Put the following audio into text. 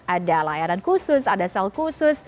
ada layanan khusus ada sel khusus